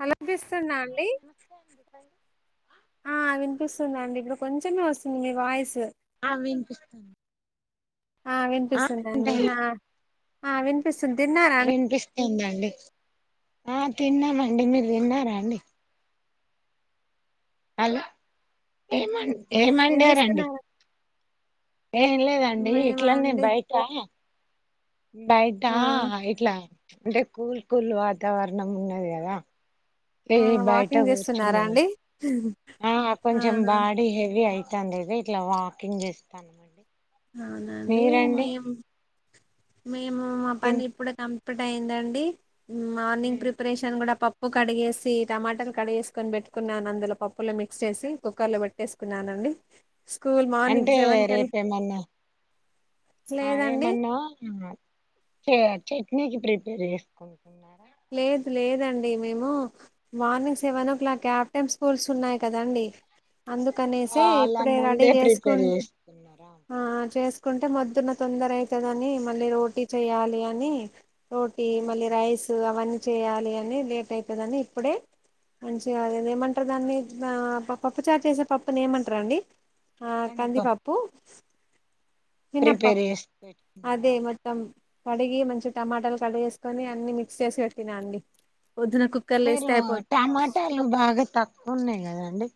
Hello వినిపిస్తుందా అండి ఆ వినిపిస్తుందండి కొంచమే వస్తుంది వాయిసు అ వినిపిస్తుంది ఆ వినిపిస్తుందండి ఆ అ విన్ విన్పిస్తుందండి ఆ తిన్నామండి మీరు తిన్నారా అండి హలో ఏమన్ ఏం ఏమండి అనండి చేస్తున్నారు ఏం లేదండి మేమా ఇట్లనె అండి బయటా బయటా ఆ ఇట్ల అంటే కూల్ కూల్ వాతావరణం ఉన్నది కదా ఆ ఇ బయట వాకింగ్ చేస్తున్నారా కూర్చున్నామ్ అండి ఆ కొంచెం ఆహా బాడీ హెవీ అయి తాండి ఇది ఇట్ల వాకింగ్ చేస్తానుమండి అవునండి మేమ్ మేము మ తిన్ పని ఇప్పుడే కం ఎప్పుటయిందండి ఉమ్ మార్నింగ్ ఉమ్ ప్రిపరేషన్ కూడా పం ఉప్పు కడిగేసి టమాటలు కడిగేసుకొని పెట్టుకున్నాను అందులో పప్పులో మిక్స్ చేసి కుక్కర్లో పెట్టేసుకున్నానండి స్కూల్ మార్నింగ్ అంటే సెవెన్ కి వెళ్ రేపేమన్నా ఆ లేదండి ఏమన్నా చెట్నీకి ప్రిపేర్ చేసుకుంటున్న లేదు లేదండి మేము morning seven o'clock of time schools ఉన్నాయి కదండి అందుకనేసి అలా ఇప్పుడే రెడీ ముందే ప్రిపేర్ చేసుకుంట చేస్తున్నారా ఆ చే కుంటె మొద్దున తొందర అయితదని మళ్ళీ రోటీ చెయ్యాలి అని రోటీ మళ్ళి రైస్ అవన్నీ చేయాలి అని లేట్ అయిపోందిని ఇప్పుడే మంచిగా ఏమంటారు దాన్ని పప్పుచారు చేసే పప్పుని ఏమంటార అండి ఆ కందిపప్పు తందిపప్పు ప్రిపేర్ చేసి అదే పెట్టుకున్నావా మొత్తం కడిగి మంచి టమాటాలు కడిగేసుకొని అన్ని చేసి పెట్టిన అండి పొద్దున కుక్కర్లో మీరు వేస్తే అయిపోద్ది టమాటాలు బాగా తక్కువ ఉన్నాయి కదాండి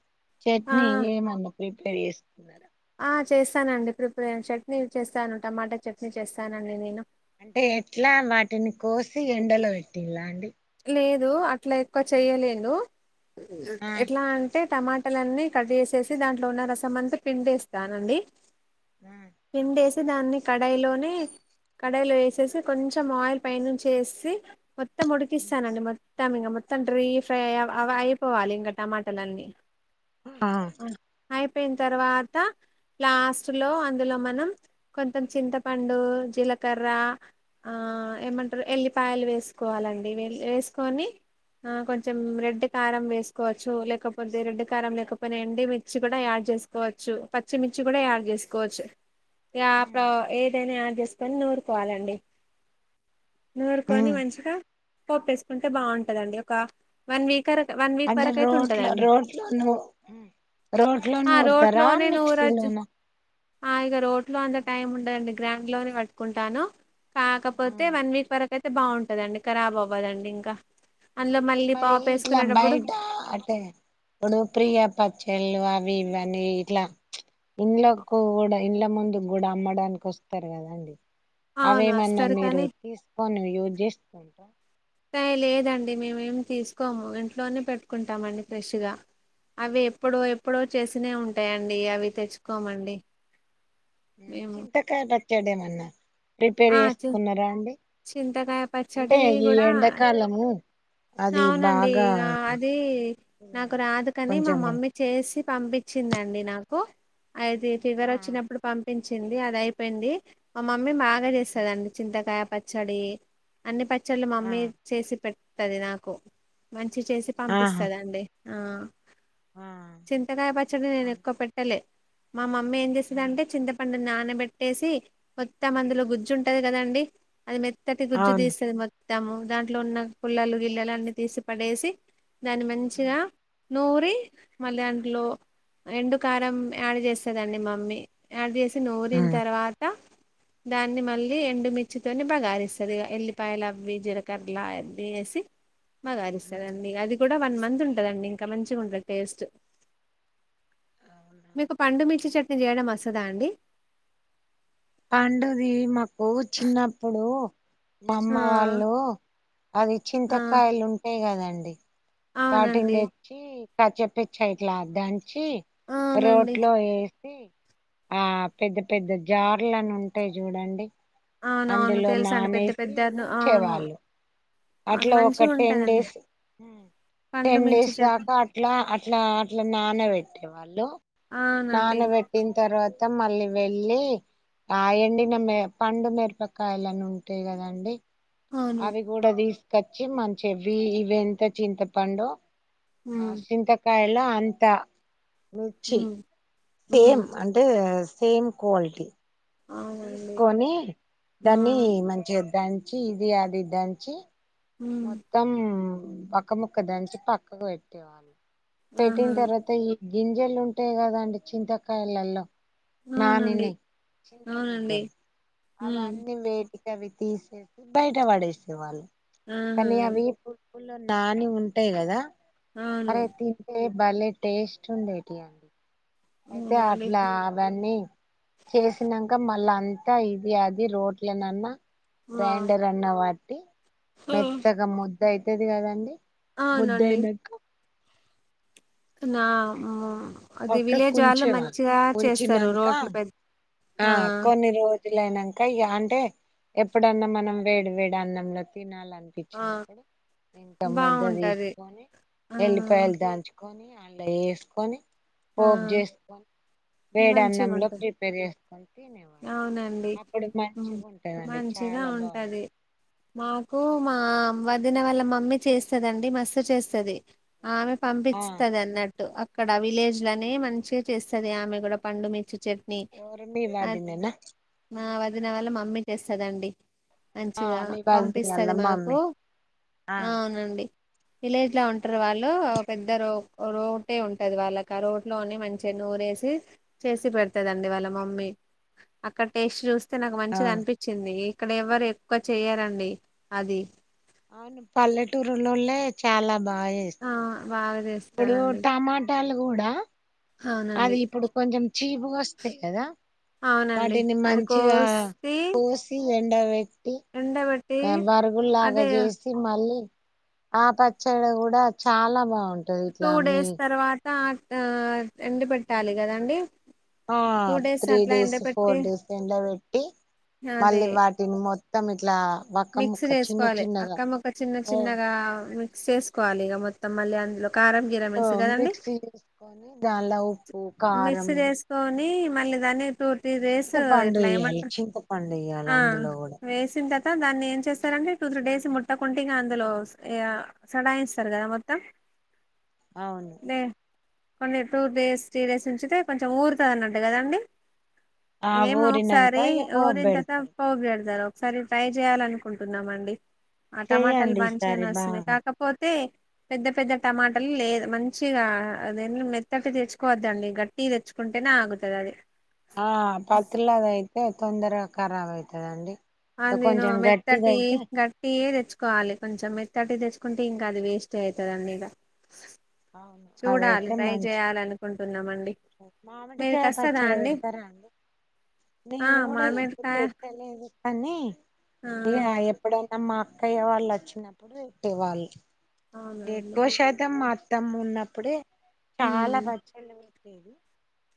చట్నీ ఆ ఏమండ రిపేర్ ఏస్కున్నారా ఆ చేస్తానండి ప్రిపేర్ చట్నీ చేస్తాను టమాటా చట్నీ చేస్తానండి నేను అంటే ఎట్లా వాటిని కోసి ఎండలో పెట్టిలా అండి లేదు అట్లా ఎక్కువ చెయలేను ఆ ఎట్లా అంటే టమాటలన్నీ కట్ చేసేసి దాంట్లో ఉన్న రసం అంతా పిండేస్తానండి ఆ ఎండేస్ దాన్ని కడాయిలోని కడాయిలో వేసేసి కొంచం ఆయిల్ పైనుంచేసి మొత్తం తీస్తా అండి మ త మత్తాం ఇంక మొత్తం డ్రై ఫ్రై అ అయిపోవాలి ఇంకా టమాటలు అన్నీ ఆ పోయిన తర్వాత లాస్ట్ లో అందులో మనం కొంతం చింతపండు జీలకర్ర ఆ ఏమంటారు ఎల్లిపాయలు వేసుకోవాలండి వేసుకోని కొంచెం రెడ్ కారం వేసుకోవచ్చు లేకపోతే రెడ్ కారం లేకపోనా ఎండిమిర్చి కూడా యాడ్ చేసుకోవచ్చు పచ్చిమిర్చి కూడా యాడ్ చేసుకోవచ్చు యా ప్రో ఏదైనా యాడ్జెస్ కన్నోడు పోవాలండే నోరు కొని ఉమ్. వం చక పోపుసుకుంటే బాగుంటందండి ఒక వన్ వీక్ వరకు వన్ వీక్ అంటే వరకు అయితే రోట్లో ఉంటదండి రోట్లోనూ రోట్లో ఆ నూరుతారా రోట్లోనే నూరచ్చు మిక్సీలోన ఆ ఇగ రో ట్లో అంత టైమ్ ఉండదండి గ్రడ్డ్ లోనే పట్టుకుంటాను కాకపోతే వన్ వీక్ వరకు అయితే బాగుంటాదండి ఖరా బవ్వదండి ఇంకా అందులో మళ్ళీ మరి పాప్ ఇట్లా వేసుకునేటప్పుడు బయటా అంటే ఇప్పుడు ప్రియ పచ్చళ్ళు ఆ వి వనీ ఇట్లా ఇండ్ల కూడా ఇండ్ల ముందు కూడా అమ్మడానికి వస్తారు కదాండి అవును అవేమన్నా వస్తారు మీరు కానీ తీసుకొని యూస్ జేస్తున్నారా అయి లేదండి మేమేమి తీసుకోము ఇంట్లోనే పెట్టుకుంటామండి ఫ్రెష్ గా అవి ఎప్పుడో ఎప్పుడో చేసినవి ఉంటాయండి అవి తెచ్చుకోమండి ఉమ్ మేము చింతకా డా చెడే మన్నా ఆ చూ చింతకాయ అంటే పచ్చడి ఈ కూడా ఎండాకాలము అది అవునండి బాగా ఇక అది నాకు రాదు కాని మా కొంచెము మమ్మీ చేసి పంపించిందండి నాకు అయితే ఫీవర్ ఆ వచ్చినప్పుడు పంపిం చింది అది అయిపోయింది మా మమ్మీ బా బాగా చేస్తందండి చింతకాయ పచ్చడి అన్ని ప చ్చల్లు ఆ మమ్మీ చేసి పెట్ టది నాకు మ మంచి చేసి ఆ ఆహా పంపిస్తదండి ఆ ఆ చింతకాయ పచ్చడి ఆ నేను ఎక్కువ పెట్టలే మమ మమ్మి ఏం ఆ చేసందింటే చింత పండు నా పెట్టేసి కొత్త మందులు గుజ్జు ఉంటది కదండి అది తట్టటి గుజ్జు అవును తీస్తుంది మ స్తాము దాంట్లో ఉన్న పుల్లలు గిల్లలు అన్ని తీసి పడేసి దాని మంచిగా నూరి మళ్ళీ దాంట్లో ఎండు కారం యాడ్ చేస్తదండి మమ్మీ యాడ్ చేస్ ఆ నూరిన తర్వాత దాన్ని మళ్ళీ ఎండుమిర్చితోని బగారిస్తుంది ఇగా, ఎల్లిపాయలు అవి జీరకర్ర అవి వేసి మగరిస్తానండి అది కూడా ఇంకా వన్ మంత్ ఉంటదండి ఇంక మంచిగుంటది టేస్ట్ అవునా. మికు పండుమిర్చి చెట్ ఇడ్లీ జెయడం వస్తదా అండి పండుది మాం ఓ చిన్నప్పుడూ మా అమ్మ ఆ వాళ్ళు అది ఆ చింతకాయలు ఉంటాయి కదం అండి బాటింగ్ అవునండి డెచ్చి క చెపిచ్చా ఇట్లా దానికి చీ రోడ్ అవునండి లో ఏ డి ఆ పెద్ద పెద్ద జ ట్లని ఉంటాయి చూడండి అవునవును అందులో తెలుసు అండి పెద్ద నానేసీ పెద్ద ను అవును ఉంచేవాళ్ళు, అవును అట్లా ఒక మంచిగా టెన్ ఉంటదండి డేస్ ఆహ్ పండు టెన్ మిర్చి డేస్ చట్నీ దాకా అట్లా అట్లా అట్లా నాన పెట్ టే వాళ్ళు అవునండి నానబెట్టిన తర్వా త మళ్ళీ వెళ్ళీ ఆయండి న మీర్ పండు మిరపకాయాలని ఉంటాయి కదండి అవును అవి కూడ దీస్ కచ్చి మంచెవి ఇవి ఎంత చింతపండొ ఆ హ్మ్ చింతకాయ లా అంత రుచి హ్మ్ హ్మ్ సేమ్ అంటే సేమ్ క్వాలిటి అవునండి తీసుకొనీ ఆ దాన్ని మంచిగా దంచి ఇది అది దంచి హ్మ్ మొత్తం వక్క ముక్కదంచి పక్కకు పెట్టే వాళ్ళ్ ఆహా పెట్టిన్ తరవాత ఈ గింజలుంటాయి కదండి చింతకాయలల్లో అవునండి నానినాయ్ అవునండి చింతగింజల్ హ్మ్ అవ్వని వేట్ ఇక అవి తీసేసి బయట పడేసే వాళ్ళు ఆహా కని అవి [unintelligible] నాని ఉంటాయి కదా అవును అరే దింపే భలే టేస్ట్ ఉండేటి అండి అయితే అవునా అండి అట్లా అవన్నీ చేసినంక మళ్ళా అ అంత ఇది అది రోట్లో నన్న ఆ గ్రైండర్ అన్న వాట్టి ఆ! మెత్తగా ము ద్ద అయితది కదా అండి ముద్ద అవునండి అయినంక నా అది పక్కకు విలేజ్ వాళ్ళు ఉంచేవాలి మంచిగా చేస్తారు ఉంచినంక రోట్లో పెద్ద ఆ కొన్నిరో జులు అయినంక ఇగ అంటే ఎప్పుడన్నా మనం వేడి వేడి అన్నంలో తినాలి అ ఆ! అనిపించినప్పుడు ఇంత ముద్ద బావుంటది తీసుకొని ఆ ఎల్లిపాయలు దాల్చు కొన్ని అందాలో ఎసుకొని ఆ పోప్ చేసుకొని వేడాన్నంలో మంచిగుంటది ప్రిపేర్ చేస్ అయితే అవునండి ఉంటదండి మంచిగా చాలా బాగుంటది ఉంటది మాకు మా వదిన వల మమ్మీ చేస్తదండి మస్తు చేస్త సరే ఆమె ఆ పంపిచ్తది అన్నడ్ అక్కడ విలేజ్ లోనే మంచిగ చేస్తది ఆమె కూడ పండు మిర్చి చట్నీ ఎవరండీ వదినేన ఆ వదిన వాళ్ళ మమ్మీ చేస్తదండి ఆ మంచిగ మీ వాది వాళ్ళ పంపిస్తది మాకు మమ్మీ ఆ అవునండి విలేజ్ లో ఉంటరు వాళ్ళు పెద్ద రో రోటే ఉంటది వాళ్ళకి ఆ రాట్ లోని మంచిగా నూరేసి చేసి పెడతదండి వాళ్ళ మమ్మీ అక్కడ టేస్ట్ చూస్ తే నాకు ఆ మంచిగ అనపించింది ఇక్కడ ఎవ్వరు ఎక్కువ చెయ్యరండి అది అవును పల్లెటూరులోలే చాలా బా ఆ జేస్తరు బాగా ఇప్పుడు చేస్తారండి టమాట లు గుడ అది అవునండి ఇప్పుడు కొంచెం చీపుగ వస్తయి కద అవునండి వాటిని అది మంచిగ కోసి కోసి ఎండ పే ఎండబెట్టి బరుగుల్లాగ అదే జేసి మళ్ళీ ఆ పచ్చడి కూడ చాలా బా టూ డేస్ తర్వాత త ఎండి పెట్టాలి కదండి ఆ టూ త్రీ అట్లా ఎండ డేస్ ఫోర్ పెట్టి డేస్ ఎండ పెట్టి మళ్ళీ అదే వాటిని మొత్త తం ఇట్లా వక్క మిక్స్ ముక్క చిన్న చేసుకోవాలి చిన్నగా అక్క మోక్క చిన్న ఓ చిన్నగా మిక్ చేసుకోవాలి ఇగ మొత్తం మళ్ళీ అందులో కారం జీరా మిక్స్ కదండి దాన్లో ఉప్ మిక్స్ చేసుకొని మళ్ళీ దాన్ని టూ త్రీ డేస్ చింతపండు ఇట్లా వేయాలి ఏమంటారు చింతపండు వేయాలి ఆ అందులో కూడా వేసిన తర దాన్ని ఏం చేస్తారంటే టూ త్రీ డేస్ ముట్టకుంట ఇగా అందులో సడాయిస్తారు కదా మొత్తం అవును అనే టూ డేస్ స్టీరేస్ నుంచితే కొంచెం ఊరుతది అన్నట్టు కదా అండి ఆ ఏమో ఊరినాక ఒకసారి ఇక పోపు ఊరినా తర్వాత పెడతారు పోగు పెడతారు సరే ట్రై చేయాలనుకుంటున్నామండి ఆ టమాటాలు చెయ్యండి మంచిగానే ఈసారి వస్తుంది బాగా కాకపోతే పెద్ద పెద్ద టమాటలు లేదు మంచిగా అదే మెత్తటి తెచ్చుకో కోవద్దండి గట్టిగ తెచ్చుకుంటేనే ఆగుతుది అది ఆ పత్లాది అయితే తొందరగా ఖరాబ్ అయితదండి ఆ నేను కొంచెం గట్టిది మెత్తటి అయితే గట్టి ఏ తెచ్చుకోవాలి కొంచెం మెత్తటి తెచ్చు కుంటే ఇంకా అది వేస్ట్ అయితదియండి ఇగ అవును చూడాలి అదైతే ట్రై మంచి చేయాల అనుకుంటున్నామండి మీరుకి మామిడికాయ వస్తదా పచ్చడి అండి పెడతారా అండి ఆ నేను కూడా ఎప్పుడు మామిడికాయ పెట్టలేదు అన్ని ఆ ఇగ ఎప్పుడో మ్ మా అక్కయ్య వాళ్ళు వచ్చినప్పుడు పెట్టేవాళ్ళు అవునా అండి ఎక్కువ శాతం మా త్తమ్ ఉన్నప్పుడే చాలా ఉమ్ పచ్చడి లేదు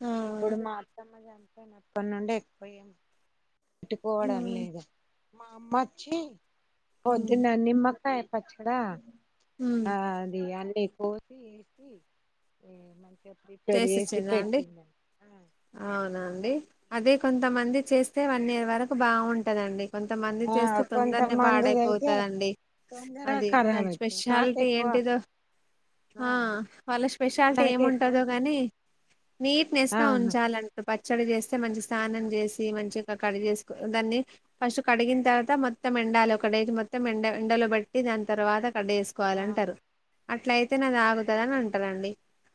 ఆ ఇప్పుడు మా అత్తమ్మ జ నప్పడి నుండి [unintelligible] పెట్టుకోవడం ఉమ్ లేదు మా అమ్మ వచ్చి ఉమ్ పొద్దున నిమ్మ కాయ పచ్చడ ఉమ్ ఆ అది అండి కోసి వేసి మంచిగా ప్రిపేర్ చేసి చేసిచ్చిందా అండి పెట్టిందండి అవునా అండి అదే కొంతమంది చేస్తే వన్ ఇయర్ వరకు బాగుంటదండి కొంతమంది ఆ చేస్తే తొందరనే కొంతమందిది అయితే పాడైపోతందండి తొందరగా అది ఖరాబ్ దాని అయితది నాకు స్పెషాలిటీ ఎక్కువ ఏంటిదో ఆ వాళ్ళ స్పెషాలిటీ నాకు ఏముంటు ఎక్కువ కదో కాని నీట్నెస్ గా అవును ఉంచాలంటు పచ్చడి చేస్తే మంచి స్నానం చేసి మంచిగా కట్ చేేసు దాన్ని ఫస్ట్ కడిగిన తర్వాత మొత్తం ఎండలి ఒకడే మొత్తం ఎండ ఎండలో పెట్టి దాని తర్వాత కడ్ చేసుకోవాల ఆ అంటారు అట్ల అయితే నాది ఆగుతద అని అంటారండి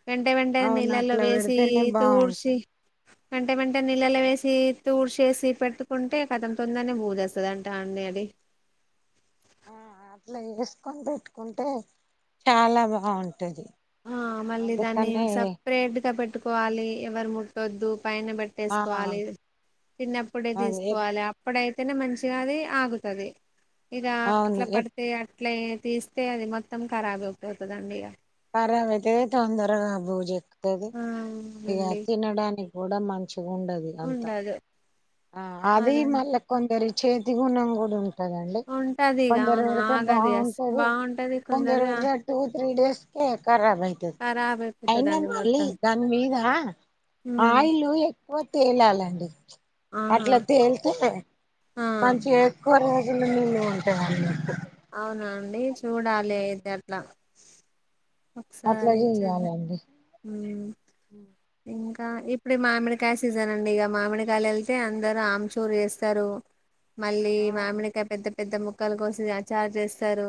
వెంట వెంటనే అవును నీళ్ళల్లో అట్లా వేసి పెడితేనే తుడ్చి బాగుంటాయి వెంట వెంటేనే నీళ్ళలు వేసి తూడ్చేసి పెట్టుకుంటే కథం తందనే బూజేస్తుంది అంట అండి అది ఆ అట్లా వేసుకొని పెట్టుకుంటే చాలా బాగుంటది ఆ మళ్ళీ దాన్ని అందుకనే సపరేట్ గా పెట్టుకోవాలి ఎవరు ము కద్దు పైన ఆ పెట్టేసుకోవాలి తిన్నప్పుడే అదే తీసుకోవాలి అప్పుడై మంచిిగాదే ఆగుతది ఇద అవును అట్లా పడితే అ ఇట్లా తీస్తే అది మొత్తం ఖరాబ్ అయిపోతుందండి ఇగ పరవతే తొందరగ బుజు తదు ఆ ఇగ అవునండి తినడానికి కూడా మంచి ఉండది అంత ఉండదు అది అదే మళ్ళీ కొందరి చేతి గున్నాం కూడా ఉ ఉంటదండి ఉంటది ఇక అవును కొందరుపెడితే ఆగది అస్ బాగుంటది బాగుంటది కొందరు కొందరిది ఆ పెడ్త టు త్రీ డేస్ కేక్ ఖరాబ్ అయితది ఖరాబ్ అయినా అయిపోతదండి మళ్ళీ మొత్తం దాని మీద ఉమ్ ఆయిల్ ఎ ఓ తేలాల అండి ఆహా అట్లా తేలితే ఆ మంచిగా ఎక్కువ రోజు ఇన మీ ఒంటర్ అయినట్టు అవునా అండి చూడాలి ఇది అట్ల అట్లా ఒకసారి చేద్దా చెయ్యాలండి ఇంకా ఇప్పుడు మామిడి కాయ్ సీజన్ ఉండి ఇక మామిడికాయలు వెళ్తే అందరు ఆమ్చూరు చేస్తారు మళ్ళీ అవును మామిడికాయ పెద్ద పెద్దగా ముక్కలు కోసి చార్జ్ చేస్తారు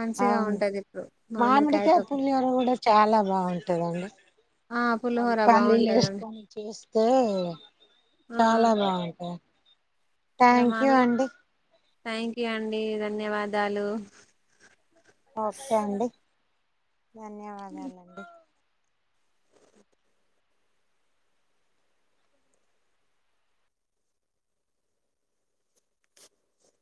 మంచిగా అవును ఉంటది ఇప్పుడు మామిడికాయ మామిడికాయతో పులిహోర కూడా చాలా బాగుంటాదండి ఆ పులిహోర పల్లీలు బాగుంటదండి వేసుకొని చేస్తే ఆ చాలా బాగుంటాయి ఇక థ్యాంక్ యూ మామిడి అండి థ్యాంక్ యూ అండి ధన్యవాదాలు ఓకే అండి ధన్యవాదాలు అండి